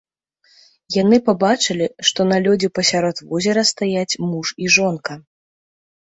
Яны пабачылі, што на лёдзе пасярод возера стаяць муж і жонка.